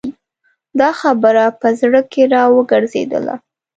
دا خبره په زړه کې را وګرځېدله.